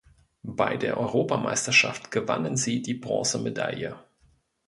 Bei der Europameisterschaft gewannen sie die Bronzemedaille.